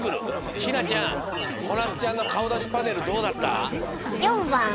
ひなちゃんこなつちゃんのかおだしパネルどうだった？